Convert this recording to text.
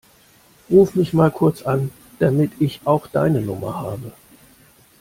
Ruf mich mal kurz an, damit ich auch deine Nummer habe.